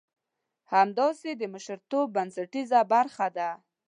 همداسې د مشرتوب بنسټيزه برخه ده.